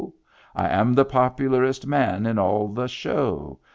I am the popularest man in all the show.